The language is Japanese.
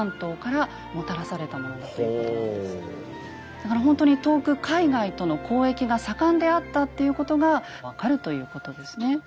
だからほんとに遠く海外との交易が盛んであったっていうことが分かるということですね。